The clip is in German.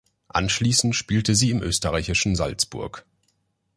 Anschließend spielte sie im österreichischen Salzburg.